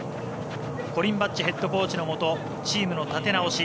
コリン・バッチヘッドコーチのもとチームの立て直し